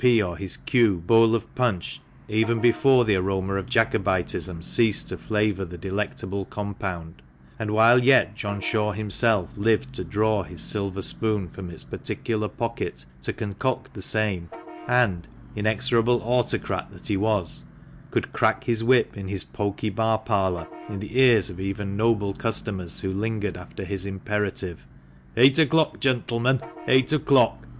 or his Q. bowl of punch even before the aroma of Jacobitism ceased to flavour the delectable compound, and while yet John Shaw himself lived to draw his silver spoon from its particular pocket to concoct the same, and (inexorable autocract that he was) could crack his whip in his poky bar parlour in the ears of even noble customers who lingered after his imperative " Eight o'clock, gentlemen ; eight o'clock